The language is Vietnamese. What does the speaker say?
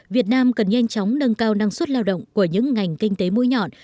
việt nam cần nhanh chóng nâng cao năng suất lao động của những ngành kinh tế mũi nhọn